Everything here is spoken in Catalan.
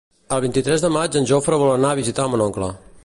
El vint-i-tres de maig en Jofre vol anar a visitar mon oncle.